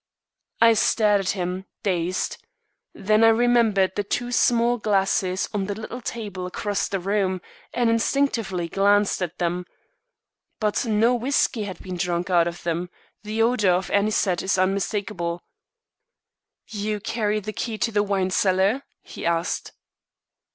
I stared at him, dazed. Then I remembered the two small glasses on the little table across the room, and instinctively glanced at them. But no whiskey had been drunk out of them the odor of anisette is unmistakable. "You carry the key to the wine cellar?" he asked.